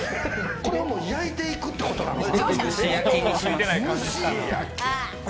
これは焼いていくってことなのかな。